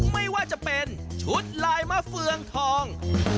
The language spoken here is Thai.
ไม่ว่าจะเป็นชุดลายมะเฟืองทอง